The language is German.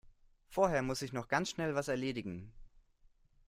Vorher muss ich noch ganz schnell was erledigen.